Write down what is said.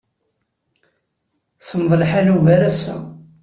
Semmeḍ lḥal ugar ass-a.